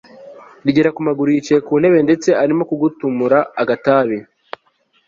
rigera kumaguru, yicaye kuntebe ndetse arimo kugutumura agatabi